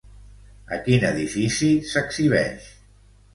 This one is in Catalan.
A quin edifici s'exhibeix?